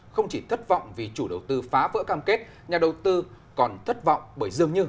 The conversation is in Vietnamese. không chỉ thất vọng vì chủ đầu tư phá vỡ cam kết nhà đầu tư còn thất vọng bởi dường như